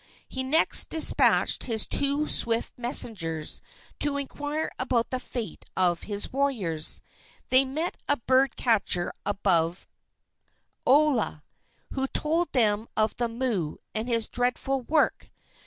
He next despatched his two swift messengers to inquire about the fate of his warriors. They met a bird catcher above Olaa, who told them of the moo and his dreadful work.